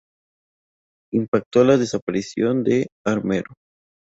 Impacto de la desaparición de Armero.